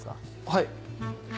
はい。